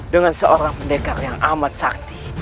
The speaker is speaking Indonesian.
dengan seorang pendekar yang amat sakti